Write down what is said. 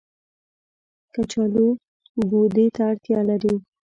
کچالو ګودې ته اړتيا لري